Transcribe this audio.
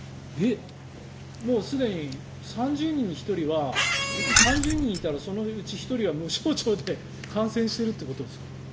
もうすでに３０人に１人は３０人いたらそのうち１人は無症状で感染しているということですか？